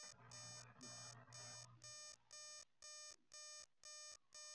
Es altamente tolerante a la acidez del suelo.